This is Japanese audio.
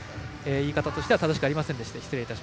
言い方としては正しくありませんでした。